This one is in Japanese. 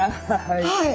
はい。